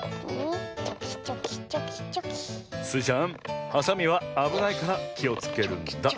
スイちゃんはさみはあぶないからきをつけるんだ。